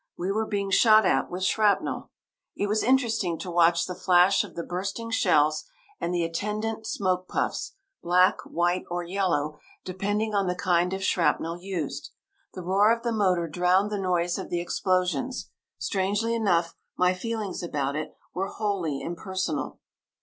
We were being shot at with shrapnel. It was interesting to watch the flash of the bursting shells, and the attendant smoke puffs black, white, or yellow, depending on the kind of shrapnel used. The roar of the motor drowned the noise of the explosions. Strangely enough, my feelings about it were wholly impersonal.